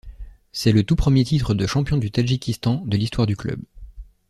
C'est le tout premier titre de champion du Tadjikistan de l'histoire du club.